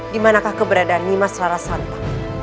dimanakah keberadaan nimas rarasanta